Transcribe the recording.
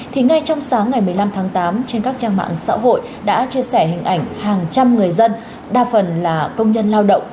thì ngay trong sáng ngày một mươi năm tháng tám trên các trang mạng xã hội đã chia sẻ hình ảnh hàng trăm người dân đa phần là công nhân lao động